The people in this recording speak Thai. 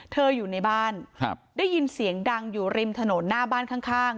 อยู่ในบ้านครับได้ยินเสียงดังอยู่ริมถนนหน้าบ้านข้าง